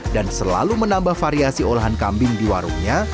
dan selalu menambah variasi olahan kambing di warungnya